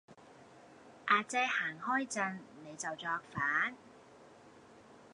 亞姐行開陣,你就作反